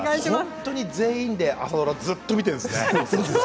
本当に全員で朝ドラをずっと見ているんですね。